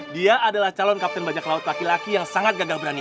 dia adalah calon kapten banyak laut laki laki yang sangat gagah berani